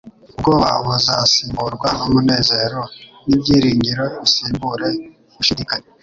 Ubwoba buzasimburwa n'umunezero n'ibyiringiro bisimbure gushidikanya.